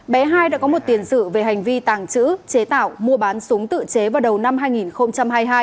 bé hai đã có một tiền sự về hành vi tàng trữ chế tạo mua bán súng tự chế vào đầu năm hai nghìn hai mươi hai